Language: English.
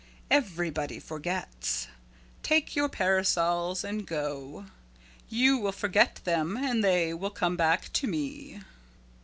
Everybody forgets. Take your parasols and go. You will forget them and they will come back to me."